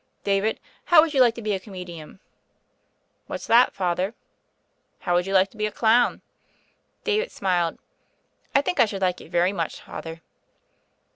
"David, how would you like to be a come dian?" "What's that. Father?" "How would you like to be a clown?*' David smiled. "I think I should like it very much, Father."